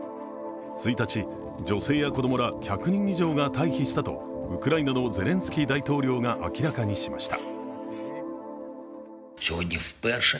１日、女性や子供ら１００人以上が退避したとウクライナのゼレンスキー大統領が明らかにしました。